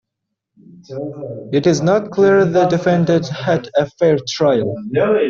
It's not clear the defendant had a fair trial.